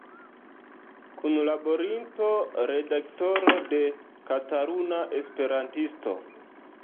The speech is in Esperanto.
Kunlaborinto, redaktoro de "Kataluna Esperantisto".